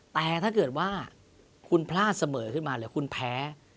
แต่ถ้าเกิดว่าคุณพลาดเสมอขึ้นมาหรือคุณแพ้